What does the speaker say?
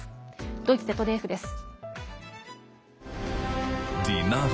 ドイツＺＤＦです。